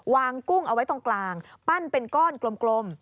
กุ้งเอาไว้ตรงกลางปั้นเป็นก้อนกลม